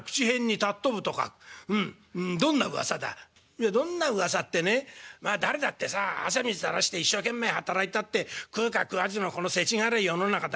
「いやどんな噂ってねまあ誰だってさあ汗水たらして一生懸命働いたって食うか食わずのこのせちがらい世の中だよ。